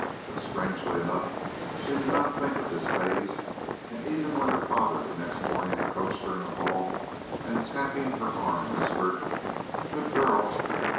But strangely enough she did not think of this phase: and even when her father the next morning approached her in the hall and tapping her arm whispered: "Good girl!